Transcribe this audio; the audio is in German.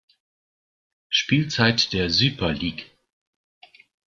Spielzeit der Süper Lig.